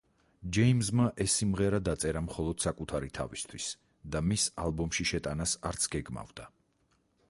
ჯეიმზმა ეს სიმღერა დაწერა მხოლოდ საკუთარი თავისთვის და მის ალბომში შეტანას არც გეგმავდა.